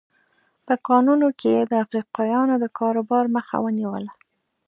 په کانونو کې یې د افریقایانو د کاروبار مخه ونیوله.